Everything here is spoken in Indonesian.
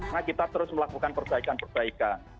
nah kita terus melakukan perbaikan perbaikan